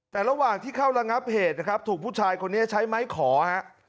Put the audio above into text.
แต่ระหว่างที่เข้าระงับเหตุนะครับถูกผู้ชายคนนี้ใช้ไม้ขอฮะ